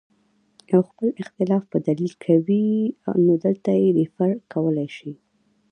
او خپل اختلاف پۀ دليل کوي نو دلته ئې ريفر کولے شئ